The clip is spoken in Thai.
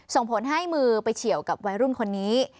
ส่งผลให้มือไปเฉียวกับวัยรุ่นคนนี้